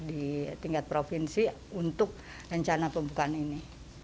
di tingkat provinsi untuk rencana pembukaan ini